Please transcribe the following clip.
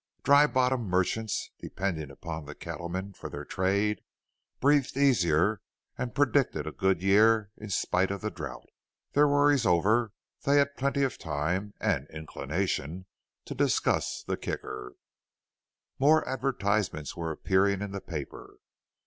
Dry Bottom merchants depending upon the cattlemen for their trade breathed easier and predicted a good year in spite of the drought. Their worries over, they had plenty of time and inclination to discuss the Kicker. More advertisements were appearing in the paper.